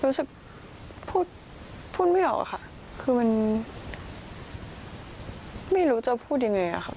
รู้สึกพูดพูดไม่ออกค่ะคือมันไม่รู้จะพูดยังไงอะค่ะ